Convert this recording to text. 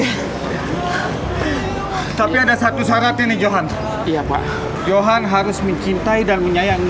hai zitra pak johan harus mencintai dan menyayangi